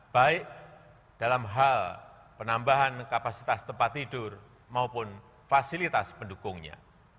baik dalam hal penambahan kapasitas tempat tidur maupun fasilitas pendukungnya